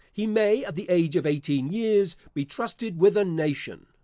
he may, at the age of eighteen years, be trusted with a nation.